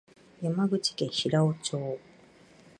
山口県平生町